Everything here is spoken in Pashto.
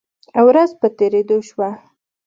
ورځ په تیریدو شوه